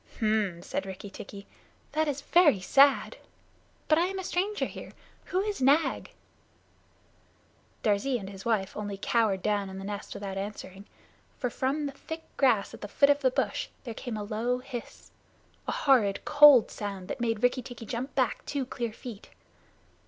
"H'm!" said Rikki tikki, "that is very sad but I am a stranger here. Who is Nag?" Darzee and his wife only cowered down in the nest without answering, for from the thick grass at the foot of the bush there came a low hiss a horrid cold sound that made Rikki tikki jump back two clear feet.